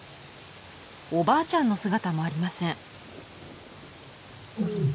おばあちゃんの姿もありません。